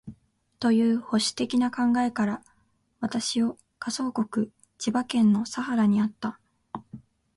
という保守的な考えから、私を下総国（千葉県）の佐原にあった